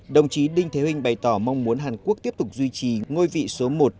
đồng chí đinh thế huỳnh bày tỏ mong muốn hàn quốc tiếp tục duy trì ngôi vị số một